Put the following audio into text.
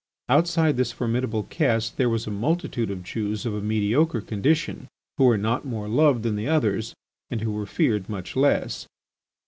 Outside this formidable caste there was a multitude of Jews of a mediocre condition, who were not more loved than the others and who were feared much less.